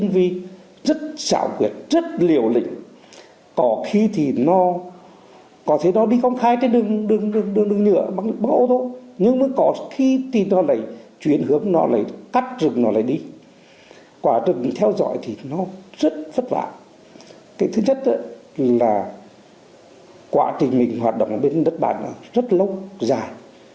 vì là quá trình mình hoạt động ở bên đất bạn rất lâu dài